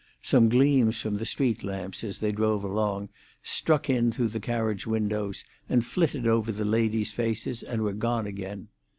Some gleams from the street lamps, as they drove along, struck in through the carriage windows, and flitted over the ladies' faces and were gone again.